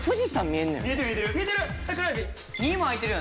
見えてる。